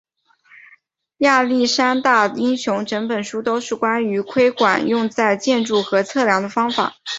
亚历山大英雄整本书都是关于窥管用在建筑和测量的方法。